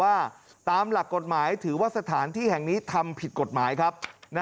ว่าตามหลักกฎหมายถือว่าสถานที่แห่งนี้ทำผิดกฎหมายครับ